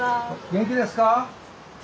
元気ですか？